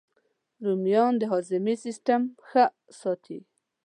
رومیان د هاضمې سیسټم ښه ساتي